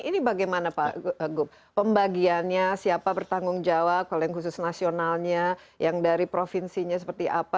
ini bagaimana pak gup pembagiannya siapa bertanggung jawab kalau yang khusus nasionalnya yang dari provinsinya seperti apa